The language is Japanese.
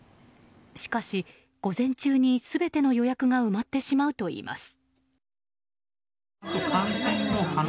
しかし午前中に、全ての予約が埋まってしまうといいます。